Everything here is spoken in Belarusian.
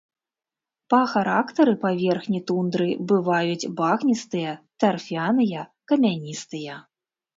Па характары паверхні тундры бываюць багністыя, тарфяныя, камяністыя.